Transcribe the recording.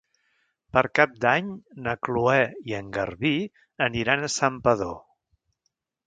Per Cap d'Any na Cloè i en Garbí aniran a Santpedor.